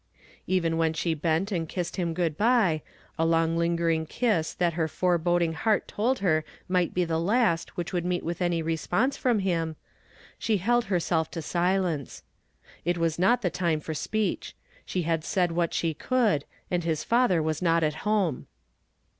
Even when she bent and kissed him good by, a long lingering kiss that her fore boding l.'eart told her might be the last which would meet with any response from him, she held hei self to silence. It was not the time for speech ; she had said what she could, and his father was not at home.